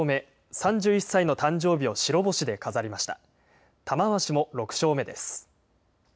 ３１歳の誕生日を白星で飾りました。